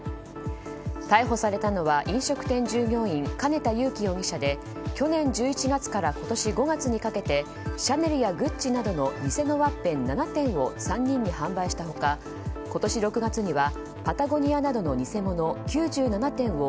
逮捕されたのは飲食店従業員、兼田佑季容疑者で去年１１月から今年５月にかけてシャネルやグッチなどの偽のワッペン７点を３人に販売した他今年６月にはパタゴニアなどの偽物９７点を